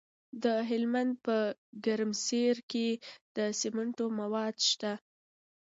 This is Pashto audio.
د هلمند په ګرمسیر کې د سمنټو مواد شته.